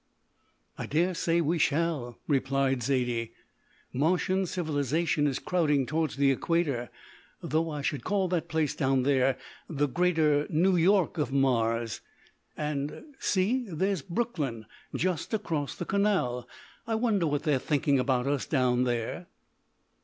"I daresay we shall," replied Zaidie; "Martian civilisation is crowding towards the Equator, though I should call that place down there the greater New York of Mars, and see there's Brooklyn just across the canal. I wonder what they're thinking about us down there."